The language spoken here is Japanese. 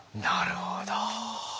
なるほど。